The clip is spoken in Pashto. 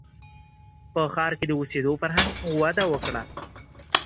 • په ښار کې د اوسېدو فرهنګ وده وکړه.